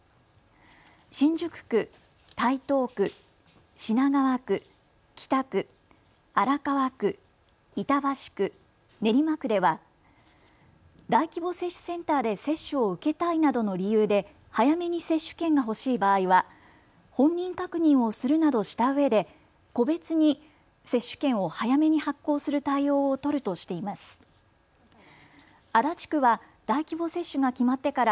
新宿区、台東区、品川区、北区、荒川区、板橋区、練馬区では大規模接種センターで接種を受けたいなどの理由で早めに接種券が欲しい場合は本人確認をするなどしたうえで個別に接種券を早めに発行する対応を取るとしています。